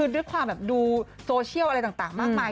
ด้วยความแบบดูโซเชียลอะไรต่างมากมาย